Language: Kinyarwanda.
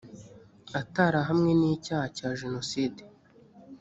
atarahamwe n icyaha cya jenoside